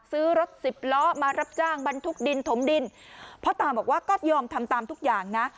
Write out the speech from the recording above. ซื้อรถสิบล้อมารับจ้างบรรทุกดินถมดินพ่อตาบอกว่าก็ยอมทำตามทุกอย่างนะ